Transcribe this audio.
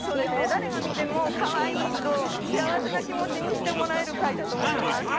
誰が見てもかわいいと、幸せな気持ちにしてもらえる貝だと思います。